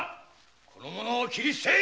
この者を斬り捨てい！